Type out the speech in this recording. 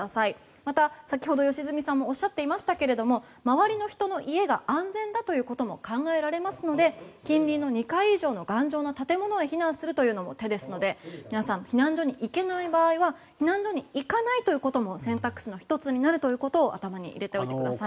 また、先ほど良純さんもおっしゃっていましたけれど周りの人の家が安全だということも考えられますので近隣の２階以上の頑丈な建物へ避難するというのも手ですので皆さん、避難所に行けない場合は避難所に行かないということも選択肢の１つになるということを頭に入れておいてください。